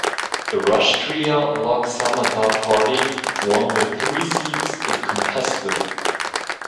The Rashtriya Lok Samata Party won the three seats it contested.